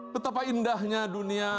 betapa indahnya dunia